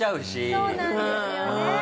そうなんですよね。